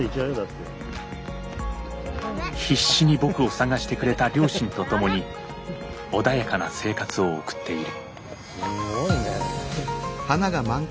必死に僕を捜してくれた両親と共に穏やかな生活を送っている。